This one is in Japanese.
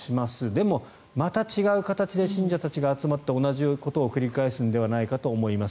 でも、また違う形で信者たちが集まって同じことを繰り返すんじゃないかと思います。